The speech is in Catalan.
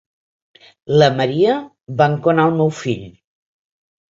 La Maria va enconar el meu fill.